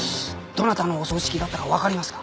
どなたのお葬式だったかわかりますか？